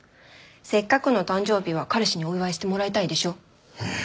せっかくの誕生日は彼氏にお祝いしてもらいたいでしょ。